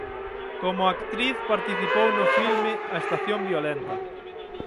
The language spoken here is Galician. Como actriz participou no filme "A estación violenta".